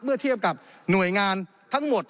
เทียบกับหน่วยงานทั้งหมด